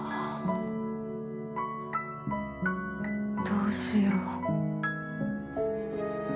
どうしよう。